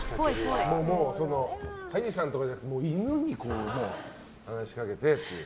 飼い主さんとかじゃなくて犬に話しかけてっていう。